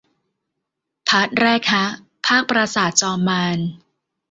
พาร์ทแรกฮะ ภาคปราสาทจอมมาร